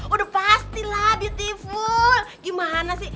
udah pasti lah beatiful gimana sih